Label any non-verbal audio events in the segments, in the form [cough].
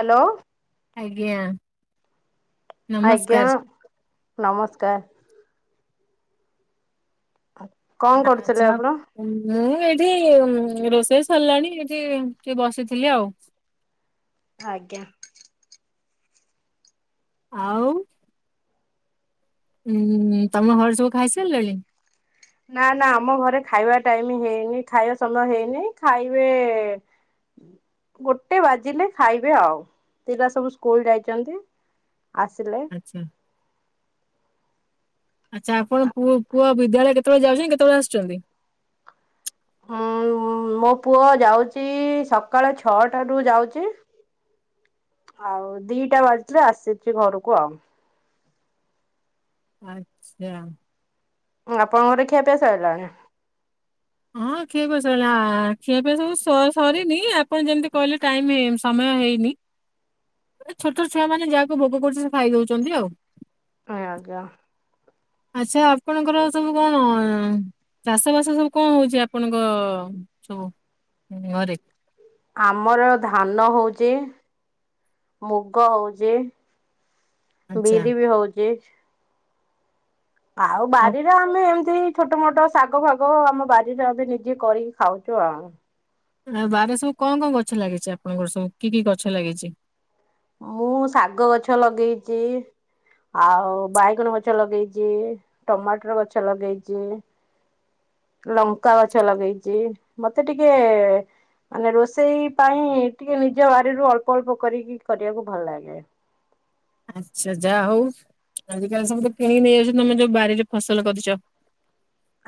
Hello ଆଜ୍ଞା ଆଜ୍ଞା ନମସ୍କାର। ନମସ୍କାର। କଣ କରୁଥିଲେ ଆଛା ଆପଣ? ମୁଁ ଏଇ - ଏମିତି ରୋଷେଇ ସରିଲାଣି ଏଠି ଟିକେ ବସିଥିଲି ଆଉ ଆଜ୍ଞା ଆଉ ହୁଁ ତମ ଘରେ ସବୁ ଖାଇସାରିଲେଣି ନା ନା ଆମ ଘରେ ଖାଇବା ଟାଇମ ହେଇନି ଖାଇବା ସମୟ ହେଇନି ଖାଇବେ ଗୋଟେ ବାଜିଲେ ଖାଇବେ ଆଉ ପିଲା ସବୁ ସ୍କୁଲ ଯାଇଛନ୍ତି। ଆସିଲେ। ଆଚ୍ଛା ଆଚ୍ଛା ଆପଣୁଅ ପୁଅ ବିଦ୍ୟାଳୟ କେତେବେଳେ ଯାଉଛନ୍ତି କେତେବେଳେ ଆସୁଛନ୍ତି? ହଁ। ହଁ ମୋ ପୁଅ ଯାଉଛି ସକାଳ ଛଅଟା ରୁ ଯାଉଛି। ଆଉ ଦିଟା ବାଜିଥିଲେ ଆସିଛି ଘରକୁ ଆଉ ଆଚ୍ଛା। ଆପଣଙ୍କର ଖିଆ ପିଆ ସଇଲା ନି ନା? ହଁ ଖିଆ ପିଆ ସଇଲା ଖିଆ ପିଆ ସବୁ ସରିନି ଆପଣ ଯେମିତି କହିଲେ ଟାଇମ ହେଇ ସମୟ ହେଇନି ଛୋଟ ଛୁଆ ମାନେ ଯାହାକୁ ଭୋକ କରୁଛି ସେ ଖାଇ ଦଉଛନ୍ତି ଆଉ ଆଁ ଆଜ୍ଞା। ଆଚ୍ଛା ଆପଣଙ୍କର ସବୁ କଣ- ଚାଷ ବାସ ସବୁ କଣ ହଉଛି ଆପଣଙ୍କ ସବୁ ଘରେ? ଆମର ଧାନ ହଉଚି ମୁଗ ହଉଛି ଆଚ୍ଛା ବିରି ବି ହଉଛି ଆଉ ବାଡିରେ ଆମେ ଏମତି ଛୋଟ ମୋଟ ଶାଗ ଫାଗ ଆମ ବାରିରେ ଆମେ ନିଜେ କରିକି ଖାଉଛୁ ଆଉ ଆ ବାଡିରେ ସବୁ କଣ କଣ ଗଛ ଲାଗିଛି ଆପଣଙ୍କର ସବୁ କି କି ଗଛ ଲାଗିଛି? ମୁଁ ଶାଗ ଗଛ ଲଗେଇଛି। ଆଉ ବାଇଗଣ ଗଛ ଲଗେଇଛି ଟମାଟର ଗଛ ଲଗେଇଛି। ଲଙ୍କା ଗଛ ଲଗେଇଚି ମତେ ଟିକେ। ମାନେ ରୋଷେଇ ପାଇଁ ଟିକେ ନିଜ ବାଡିରୁ ଅଳ୍ପ ଅଳ୍ପ କରିକି କରିବାକୁ ଭଲ ଲାଗେ ଆଚ୍ଛା ଯାହା ହଉ। ଆଜିକାଲି ସବୁ ତ କିଣିକି ନେଇ ଯାଉଛ ତମେ ଯୋଉ ବାଡିରେ ଫସଲ କରିଛ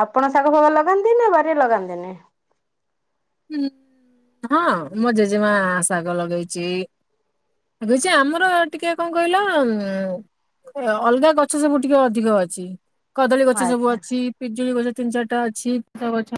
ଆପଣ ଶାଗ ଫାଗ ଲଗାନ୍ତି ନା ବାଡିରେ ଲଗାନ୍ତିନି ହୁଁ ହଁ ମୋ ଜେଜେମା ଶାଗ ଲଗେଇଛି ଲଗେଇଚି ଆମର ଟିକେ କଣ କହିଲ ଉଁ। ଅଲଗା ଗଛ ସବୁ ଟିକେ ଅଧିକ ଅଛି। କଦଳୀ ଗଛ ସବୁ ଆଜ୍ଞା ଅଛି ପିଜୁଳି ଗଛ ତିନି ଚାରିଟା ଅଛି ଫ ଗଛ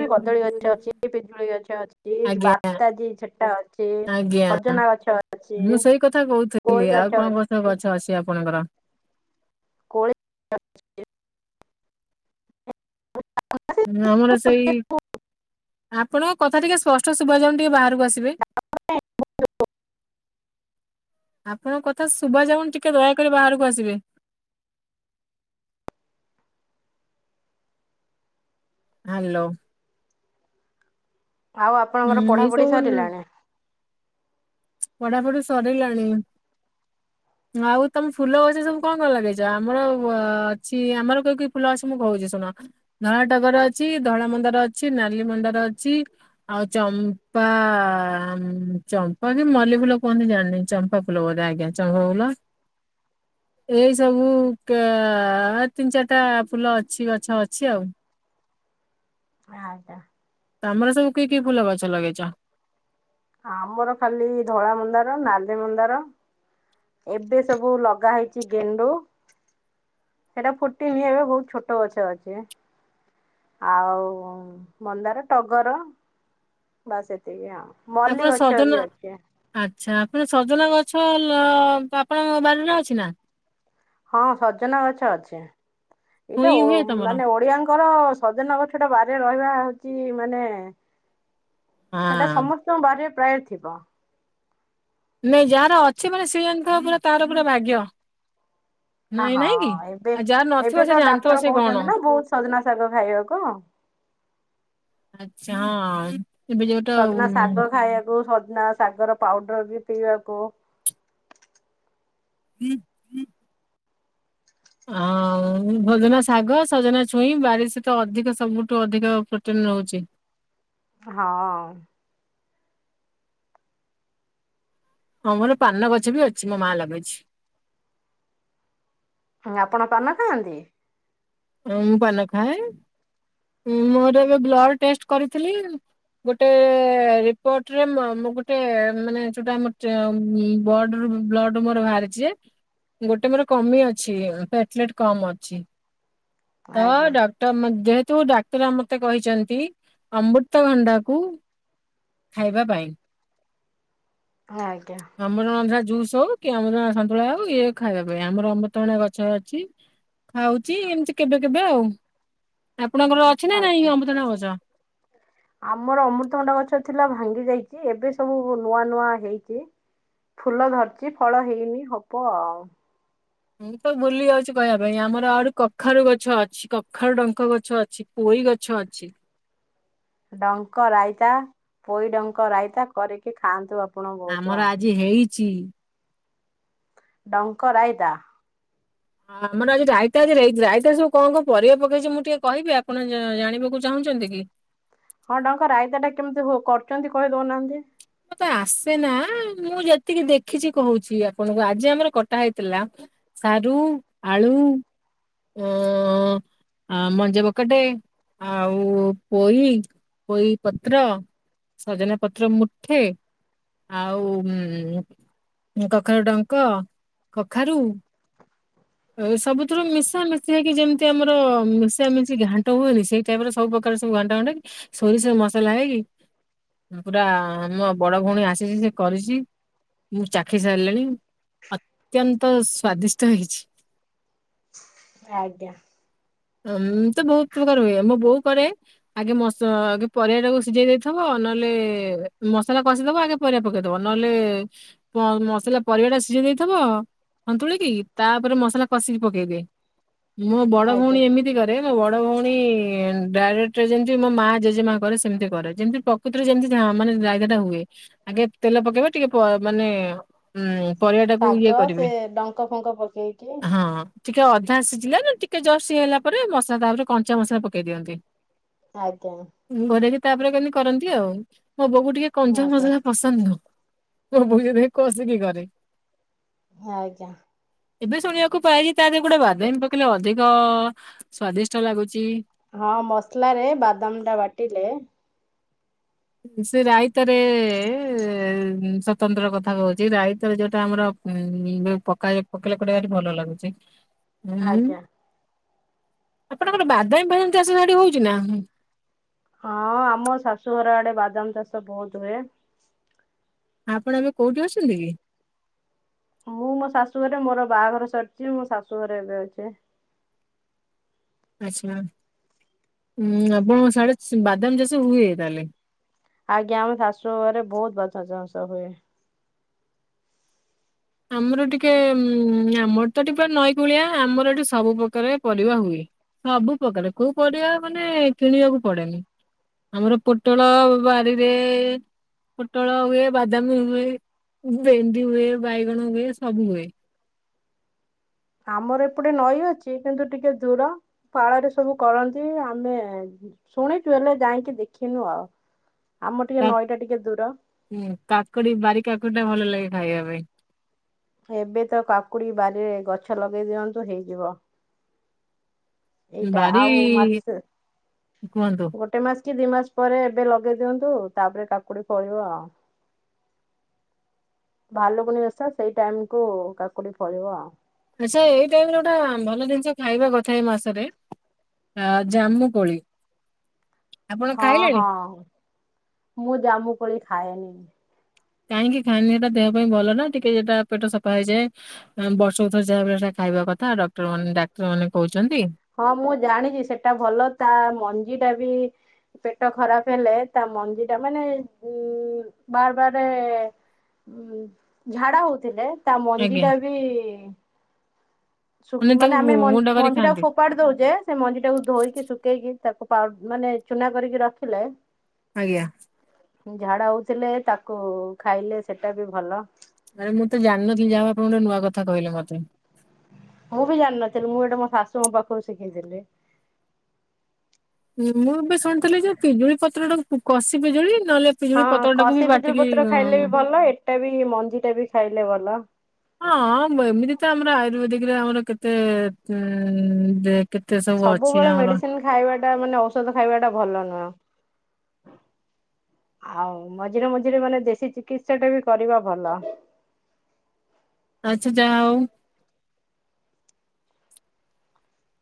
ବି କଦଳୀ ଗଛ ଅଛି ପିଜୁଳି ଗଛ ଅଛି ଆଜ୍ଞା ବାତାଜି ସେଛଟା ଅଛି ଅଛି ଆଜ୍ଞା ସଜନା ଗଛ ମୁଁ ଅଛି ସେଇ କଥା କହୁଥିଲି କଳି ଆଉ ଗଛ କଣ କଣ ସବୁ ଅଛି ଗଛ ଅଛି ଆପଣଙ୍କର? କୋଳି ଗଛ ଅଛି ହଁ ଆମର ସେଇ ଆପଣଙ୍କ କଥା ଟିକେ ସ୍ପଷ୍ଟ ଶଭଜଣ ଟିକେ ବାହ ଆସିବେ। ଆପଣଙ୍କ କଥା ଶୁଭାଯାଉନ ଟିକେ ଦୟାକରି ବାହାରକୁ ଆସିବେ। [inaudible] ହ୍ୟାଲୋ। ଆଉ ଆପଣଙ୍କର ପଢାପଢି ସରିଲାଣି? ପଢାପଢି ସରିଲାଣି। ଆଉ ତମେ ଫୁଲ ଗଛ ସବୁ କଣ କଣ ଲାଗେଇଛ ଆମର ଅ ଅଛି ଆମର କେ କେ ଫୁଲ ଗଛ ମୁଁ କହୁଛି ଶୁଣ ଧଳା ଟଗର ଅଛି ଧଳା ମନ୍ଦାର ଅଛି ନାଲିମଣ୍ଡାର ଅଛି ଆଉ ଚମ୍ପା ହ ଚମ୍ପ କ ମଲ୍ଲୀ ଫୁଲ କୁହନ୍ତନ୍ତି ଜାଣିନି ଚମ୍ପା ଫୁଲ ବୋଧେ ଆଜ୍ଞା ଚମ୍ପା ଫୁଲ ଏଇ ସବୁ ତିନି ଚାରିଟା ଫୁଲ ଅଛି ଗଛ ଅଛି ଆଉ। [inaudible] ଆଛା। ତମର ସବୁ କି କି ଫୁଲ ଗଛ ଲଗେଇଛ? ଆମର ଖାଲି ଧଳା ମୁନ୍ଦାର ନାଲିମନ୍ଦାର ଏବେ ସବୁ ଲଗା ହେଇଛି ଗେଣ୍ଡୁ ସେଟା ଫୁଟିନ ଏବେ ବହୁତ ଛୋଟ ଗଛ ଅଛି ଆଉ ମନ୍ଦାର ଟଗର ବାସ ଏତିକି ଆଉ। ମଲ୍ଲି ଆପଣ ଗଛ ବି ସଜନା ଅଛି ଆଚ୍ଛା ଆପଣ ସଜନା ଗ ଛ ଲ ଆପଣଙ୍କ ବାରିରେ ଅଛି ନାଁ? ହଁ ସଜନା ଗଛ ଅଛି। ଏଇଟା ଛୁଇଁ ଓ ହୁଏ ତମର? ମାନେ ଓଡ଼ିଆଙ୍କର ସଜନ ଗଛଟା ବାର୍ ରେ ରହିବା ହଉଚି ମାନେ ସେଟା ହଁ ସମସ୍ତଙ୍କ ବାରିରେ ପ୍ରାୟ ଥିବ। ନାଇଁ ଯାହାର ଅଛି ମାନେ ସିଏ ଜାଣିଥା ପୁରା ତାର ପୁରା ଭାଗ୍ୟ। ଆ ନାଇଁ ହ ନାଇଁ କି? ଏବେ ଆଉ ଯାହାର ନଥିବ ଏବେ ସେ ତ ଜାଣିଥିବ ଡାକ୍ତର ସେ କଣ? କୋହୁଚନ୍ତି ନାଁ ବୋହୁତ ସଜନା ଶାଗ ଖାଇବାକୁ। ଆଚ୍ଛା ହଁ। ଏବେ ଯୋଉଟା ସଜନା ଉଁ, ଶାଗ ଖାଇଆକୁ ସ ନା ଶାଗର ପାଉଡ଼ର ବି ପିଇବାକୁ। ହୁଁ ହୁଁ ଅଁ ଉଁ ସଜନା ଶାଗ ସଜନା ଛୁଇଁ ବାରି ସେ ତ ଅଧିକ ସବୁଠୁ ଅଧିକ ପ୍ରୋଟିନ୍ ରହୁଚି। [inaudible] ହଁ। ଆମର ପାନ ଗଛ ବି ଅଛି ମୋ ମା ଲାଗେଇଚି। ହୁଁ ଆପଣ ଖାଆନ୍ତି? ମୁଁ ପାନ ଖାଏ ଉଁ ମୋର ଏବେ ବ୍ଲଡ଼୍ ଟେଷ୍ଟ୍ କରିଥିଲି ଗୋଟେ ରିପୋଟ୍ ରେ ମୋ ମୋ ଗୋଟେ ମାନେ ଯୋଉଟା ଆମ ଟେ ବଡ଼୍ ରୁ ବ୍ଲଡ଼ ରୁ ମୋର ବାହାରିଚି। ଗୋଟେ ମୋର କମି ଅଛି ପେଟଲେଟ୍ କମ ଅଛି। ତ ଆଜ୍ଞା ଡକ୍ଟର୍ ମଦେ ତୁ ଡାକ୍ତର୍ ମତେ କହିଚନ୍ତି ଅମ୍ବୃତଭଣ୍ଡାକୁ ଖାଇବା ପାଇଁ। ଆଜ୍ଞା। ଅମୃତଭଣ୍ଡା ଜୁସ୍ ହଉ କି ଅମୃତଣ୍ଡା ସନ୍ତୁଳା ହଉ ଇଏ ଖାଇବା ପାଇଁ ଆମର ଅମୃତଭଣ୍ଡା ଗଛ ଅଛି। ଖାଉଚି ଏମତି କେବେ କେବେ ଆଉ। ଆପଣଙ୍କର ଅଛି ନା ନାଇଁ ଆଜ୍ଞା ଅମୃତଭଣ୍ଡା ଗଛ? ଆମର ଅମୃତଭଣ୍ଡା ଗଛ ଥିଲା ଭା ଙ୍ଗି ଯାଇଚି ଏବେ ସବୁ ନୂଆ ନୂଆ ହେଇଚି। ଫୁଲ ଧରଚି ଫଳ ହେଇନି ହବ ଆଉ। ମୁଁ ତ ଭୁଲି ଆଉଚି କହିବା ପାଇଁ ଆମର ଆହୁରି କଖାରୁ ଗଛ ଅଛି କଖାରୁ ଡଙ୍କ ଗଛ ଅଛି ପୋ ଇ ଗଛ ଅଛି। ଡଙ୍କ ରାଇତା ପୋଇ ଡଙ୍କ ରାଇତା କରିକି ଖାଆନ୍ତୁ ଆ ଆମର ଆଜି ହେଇଚି। ଡଙ୍କ ରାଇତା। ହଁ ଆମର ଆଜି ରାଇତା ଯେ ରାଇ ରାଇତା ସବୁ କଁ କଁ ପରିବା ପକେଇଚି ମୁଁ ଟିକେ କହିବି ଆପଣ ଜାଣିବାକୁ ଚାହୁଁ ଚନ୍ତି କି? ହଁ ଡଙ୍କ ରାଇତାଟା କେମତି ହୋ କରୁଚନ୍ତି କହି ଦୋଉନାହାନ୍ତି। ମତେ ଆସେ ନାଁ ମୁଁ ଯେତିକି ଦେଖିଚି କହୁଚି ଆପଣଙ୍କୁ ଆଜି ଆମର କଟା ହେଇଥିଲା। ସାରୁ, ଆଳୁ ଓ ଆ ମଞ୍ଜା ବକଟେ ଆଉ ପୋଇ ପୋଇ ପତ୍ର ସଜନା ପତ୍ର ମୁଠେ ଆଉ ଉଁ ଉଁ କଖାରୁ ଡଙ୍କ, କଖାରୁ ଏ ସବୁଥୁରୁ ମିଶା ମିଶି ହେଇକି ଯେମତି ଆମର ମିଶା ମିଶି ଘାଣ୍ଟ ହୁଏନି ସେଇ ଟାଇପ୍ ର ସବୁ ପ୍ରକାର ସବୁ ଘଣ୍ଟା ଘଣ୍ଟା ହେଇକି ଷୋରିଷ ମସଲା ହେଇ ଅ ପୁରା ମୋ ବଡ଼ ଭଉଣୀ ଆସିଚି ସିଏ କରିଚି। ମୁଁ ଚାଖି ସାରଲିଣି ଅତ୍ୟନ୍ତ ସ୍ଵାଦିଷ୍ଟ ହେଇଛି। [inaudible] ଆଜ୍ଞା। ମୁଁ ତ ବହୁତ ପ୍ରକାର ହୁଏ ମୋ ବୋଉ କରେ ଆଗେ ମସ ଆଗେ ପରିବା ଟାକୁ ସିଝେଇ ଦେଇଥବ ନ ନଲେ ମସଲା କଷିଦବ ଆଗେ ପରିବା ପକେଇଦବ ନହେଲେ ମସଲା ପରିବା ଟା ସିଝେଇ ଦେଇଥବ। ସନ୍ତୁଳିକି ତାପରେ ମସଲା କଷିକି ପକେଇଦିଏ। ମୋ ବଡ ଆଜ୍ଞା ଭଉଣୀ ଏମିତି କରେ ମୋ ବଡ ଭଉଣୀ ଡାଇରେକ୍ଟ ଯେମିତି ମୋ ମା ଜେଜେ ମା କରେ ସେମିତି କରେ ଯେମିତି ପ୍ରକୃତରେ ଯେମିତି ଯାହା ମାନେ ଟା ହୁଏ ଆଗେରେ ତେଲ ପକେଇବା ଟିକେ ପ ମାନେ ଉ ପରିବା ଟାକୁ ଇଏ ଶାଗ ସେ କରିବେ ଡଙ୍କ ଫଙ୍କ ପକେଇକି ହଁ ଟିକେ ଅଧା ସିଝିଲା ନା ଟିକେ ଜର୍ସିି ହେଲା ପରେ ମସଲା ତାପରେ କଞ୍ଚା ମସଲା ପକେଇ ଦିଅନ୍ତି। ଆଜ୍ଞା। ଘୋଡେଇକି ତାପରେ କେମିତି କରନ୍ତି ଆଉ ମୋ ବୋଉକୁ ଟିକେ କଞ୍ଚା ଆଜ୍ଞା ମସଲା ପସନ୍ଦ ନୁହଁ। ତ ର ବୁଝ ଦେଇ କସିକି କରେ। ଆଜ୍ଞା। ଏବେ ଶୁଣିବାକୁ ପାଇଛି ତା ଦେହ ଗୋଟେ ବାଦାମି ପକେଇଲେ ଅଧିକ ସ୍ଵାଦିଷ୍ଟ ଲାଗୁଚି। ହଁ ମସଲାରେ ବାଦାମଟା ବାଟିଲେ ସେ ରାଇତାରେ ଉହୁଁ ସ୍ୱତନ୍ତ୍ର କଥା କହୁଛି ରାଇତ ଯୋଉଟା ଆମର ଉ ପକାଇ ପକାଇଲେ କୁଆଡେ ଭଲ ଲାଗୁ ସେ। ଆଜ୍ଞା। ଆପଣଙ୍କର ବାଦାମୀ ଫଦାମୀ ଚାଷ ସେଠି ହଉଚି ନା? ହଁ ଆମ ଶାଶୁଘର ଆଡେ ବାଦାମ ଚାଷ ବହୁତ ହୁଏ। ଆପଣ ଏବେ କୋଉଠି ଅଛନ୍ତି କି? ମୁଁ ମୋ ଶାଶୁ ଘରେ ମୋର ବାହାଘର ସରିଛି ମୋ ଶାଶୁ ଘରେ ଏବେ ଅଛେ। [inaudible] ଆଛା ଉଁ ଆପଣ ସାଢେ ବାଦାମ ଚାଷ ହୁଏ ତାହେଲେ। ଆଜ୍ଞା ଆମେ ଶାଶୁ ଘରେ ବହୁତ ବସଚାଷ ବାସ ହୁଏ। ଆମର ଟିକେ ଆମର ତ ଟିକ ନଈକୂଳିଆ ଆମର ଏଠି ସବୁ ପ୍ରକାର ପରିବା ହୁଏ। ସବୁ ପ୍ରକାରେ କୋଉ ପରିବା ମାନେ କିଣିବାକୁ ପଡେନି। ଆମର ପୋଟଳ ବାରିରେ ପୋଟଳ ହୁଏ ବାଦାମୀ ହୁଏ ଭେଣ୍ଡି ହୁଏ ବାଇଗଣ ହୁଏ ସବୁ ହୁଏ। ଆମର ଏପଟେ ନଈ ଅଛି କିନ୍ତୁ ଟିକେ ଦୂର ପାଳରେ ସବୁ କରନ୍ତି ଆମେ ଶୁଣିଛୁ ହେଲେ ଯାଇକି ଦେଖିନୁ ଆଉ। ଆମ ଟିକେ କ ନଈଟା ଟିକେ ଦୂର ହଁ କାକୁଡି ବାରି କାକୁଡି ଟା ଭଲ ଲାଗେ ଖାଇବା ପାଇଁ। ଏବେ ତ କାକୁଡି ବାରିରେ ଗଛ ଲଗେଇ ଦିଅନ୍ତୁ ହେଇଯିବ। ଏଇଟା ବାରି ଆଉ ମାସ କୁହନ୍ତୁ ଗୋଟେ ମାସ କି ଦି ମାସ ପରେ ଏବେ ଲଗେଇ ଦିଅନ୍ତୁ ତାପରେ କାକୁଡି ଫଳିବ ଆଉ। ଭାଲୁକୁଣି ଓଷା ସେଇ ଟାଇମକୁୁ କାକୁଡି ଫଳିବ ଆଉ। ଆଚଛା ଏଇ ଟାଇମରେ ଗୋଟା ଭଲ ଜିନିଷ ଖାଇବା କଥା ଏଇ ମାସରେ। ଆ ଜାମୁ କୋଳି। ଆପଣ ହଁ ହଁ ଖାଇଲେଣି? ମୁଁ ଜାମୁ କୋଳି ଖାଏନି। କାହିଁକି ଖାନ୍ତି ଦେହ ପାଇଁ ଭଲ ନା ଟିକେ ଏଟା ପେଟ ସଫା ହେଇଯାଏ ବର୍ଷ ବର୍ଷ କୁ ଥରେ ଯାହା। ଖାଇବା କଥା ଡକ୍ଟରମାନେ ଡାକ୍ତରମାନେ କହୁଛନ୍ତି। ହଁ ମୁଁ ଜାଣିଛି ସେଟା ଭଲ। ତା ମଞ୍ଜି ଟା ବି ପେଟ ଖରାପ ହେଲେ ତା ମଞ୍ଜି ଟା ମାନେ ଉ ବାର୍ ବାରେ ଉଁ ଝାଡା ହଉଥିଲେ ତା ମଞ୍ଜି ଆଜ୍ଞା ଟା ବି ଶୁ ତାକୁ ମାନେ ଆମେ ଗୁ- ଗୁଣ୍ଡ କରି ମଞ୍ଜି ଟା ଖାଆନ୍ତି ଫୋପାଡି ଦଉଛେ। ସେ ମଞ୍ଜି ଟାକୁ ଧୋଇକି ଶୁଖେଇକି ତାକୁ ପାଉ ମାନେ ଚୁନା କରିକି ରଖିଲେ। ଆଜ୍ଞା। ଝାଡା ହଉଥିଲେ ତାକୁ ଖାଇଲେ ସେଟା ବି ଭଲ। ଆରେ ମୁଁ ତ ଜାଣିନଥିଲି ଯାହା ହଉ ଆପଣ ଗୋଟେ ନୂଆ କଥା କହିଲେମତେ। ମୁଁ ବି ଜାଣିନଥିଲି ମୁଁ ଏଟା ମୋ ଶାଶୁଙ୍କ ପାଖରୁ ଶିଖିଥିଲି। ମୁଁ ବି ଶୁଣିଥିଲି ଯେ ପିଜୁଳି ପତ୍ର ଟା କଷି ପିଜୁଳି। ନହେଲେ ହଁ ପିଜୁଳି ପତ୍ର ଟାକୁ କଷି ବି ବାଟିକି ବପିଜୁଳିପତ୍ର ଉଁ, ଖାଇଲେ ବି ଭଲ, ଏଟା ବି ମଞ୍ଜି ଟା ବି ଖାଇଲେ ଭଲ। ହଁ ଏମିତି ତ ଆମର ଆୟୁର୍ବେଦିକିରେ ଆମର କେତେ ଉ ଦେ କେତେ ସବୁ ଅଛି ସବୁବେଳେ ଆମର ମେଡିସିନ ଖାଇବା ଟା ମାନେ ଔଷଧ ଖାଇବା ଟା ଭଲ ନୁ [inaudible] ଆଉ ମଝିରେ ମଝିରେ ମାନେ ଦେଶୀ ଚିକିତ୍ସା ଟା ବି କରିବା ଭଲ। ଆଛା ଯା ହୋଉ।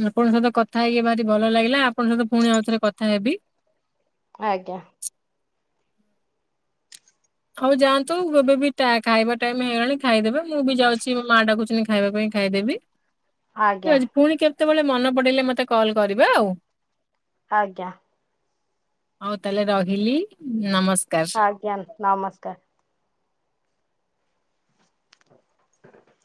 ଆପଣଙ୍କ ସହିତ କଥା ହେଇକି ଭାରି ଭଲ ଲାଗିଲା। ଆପଣଙ୍କ ସହିତ ପୁଣି ଆଉ ଥରେ କଥା ହେବି। ଆଜ୍ଞା। ହଉ ଯାଆନ୍ତୁ ଏବେ ବି ଟା ଖାଇବା ଟାଇମ୍ ହେଇଗଲାଣି ଖାଇଦେବେ। ମୁଁ ବି ଯାଉଛି ମୋ ମା ଡାକୁଛନ୍ତି ଖାଇବା ପାଇଁ ଖାଇଦେବି। ଆଜ୍ଞା ଆଜ୍ଞା ଠିକ୍ ଅଛି ପୁଣି କେତେବେଳେ ମନେପଡିଲେ ମତେ କଲ କରିବେ ଆଉ। ଆଜ୍ଞା। ହଉ ତାହେଲେ ରହିଲି। ନମସ୍ ଆଜ୍ଞା ନ ନମସ୍କାର। [inaudible]